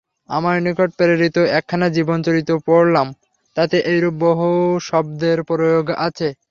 আমার নিকট প্রেরিত একখানা জীবনচরিত পড়লাম, তাতে এইরূপ বহু শব্দের প্রয়োগ আছে।